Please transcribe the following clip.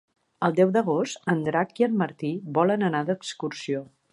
El deu d'agost en Drac i en Martí volen anar d'excursió.